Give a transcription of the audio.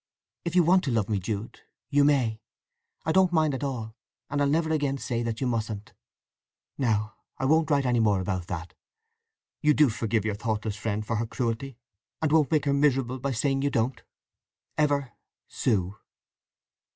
If you want to love me, Jude, you may: I don't mind at all; and I'll never say again that you mustn't! Now I won't write any more about that. You do forgive your thoughtless friend for her cruelty? and won't make her miserable by saying you don't?—Ever, SUE.